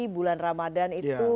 bulan ramadhan itu